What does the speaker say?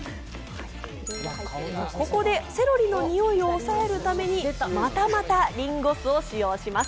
ここでセロリのにおいを抑えるためにまたまた、りんご酢を使用します。